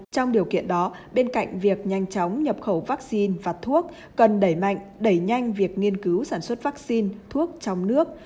trong điều kiện đó bên cạnh việc nhanh chóng nhập khẩu vắc xin và thuốc cần đẩy mạnh đẩy nhanh việc nghiên cứu sản xuất vắc xin thuốc trong nước